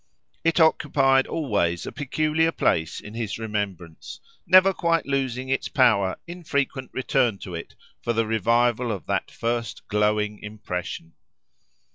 It occupied always a peculiar place in his remembrance, never quite losing its power in frequent return to it for the revival of that first glowing impression.